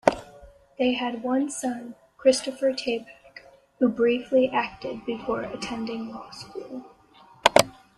They had one son, Christopher Tayback, who briefly acted before attending law school.